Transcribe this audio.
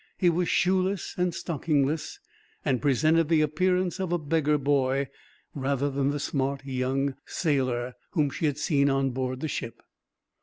He was shoeless and stockingless, and presented the appearance of a beggar boy, rather than the smart young sailor whom she had seen on board the ship.